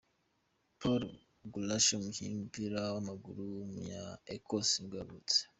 Paul Gallacher, umukinnyi w’umupira w’amaguru w’umunya-Ecosse nibwo yavutse.